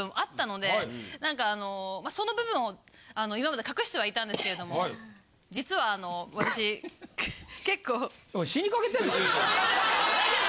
なんかあのその部分を今まで隠してはいたんですけれども実はあの私結構。